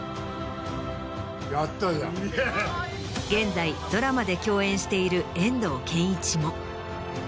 現在ドラマで共演している遠藤憲一も。